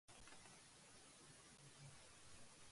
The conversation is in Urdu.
عاشق کے چاک گریباں